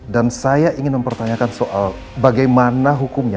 dan saya ingin mempertanyakan soal bagaimana hukumnya